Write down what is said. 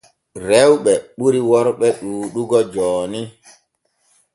Rewɓe ɓuri worɓe ɗuuɗugo jooni.